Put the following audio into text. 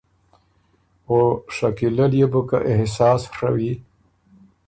او شکیلۀ ليې بو که احساس ڒوی،